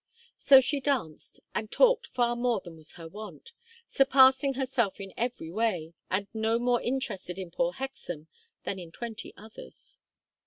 So she danced, and talked far more than was her wont, surpassing herself in every way, and no more interested in poor Hexam than in twenty others.